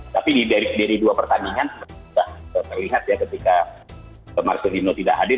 tapi dari dua pertandingan sudah terlihat ya ketika marcelino tidak hadir